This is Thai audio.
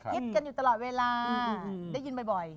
กันอยู่ตลอดเวลาได้ยินบ่อย